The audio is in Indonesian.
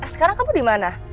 sekarang kamu dimana